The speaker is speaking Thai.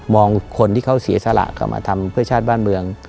คนที่เขาเสียสละกลับมาทำเพื่อชาติบ้านเมือง